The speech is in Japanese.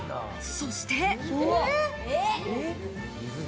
そして。